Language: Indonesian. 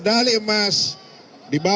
ini untuk kedua